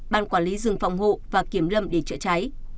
ban quản lý rừng phòng hộ và kiểm lâm để chữa cháy